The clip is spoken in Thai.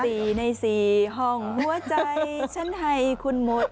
สี่ในสี่ห้องหัวใจฉันให้คุณหมด